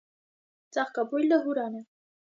Ծաղկաբույլը հուրան Է։